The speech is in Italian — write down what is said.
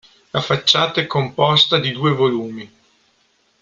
La facciata è composta di due volumi.